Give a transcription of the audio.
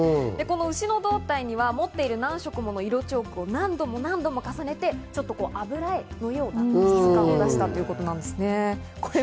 牛の胴体には持っている何色もの色チョークを何度も重ねて油絵のような質感を出したということです。